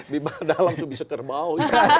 di mana dalam itu bisa kerbau